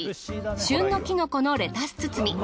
旬のキノコのレタス包み。